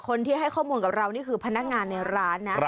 คนที่ให้ข้อมูลกับเรานี่คือพนักงานในร้านนะ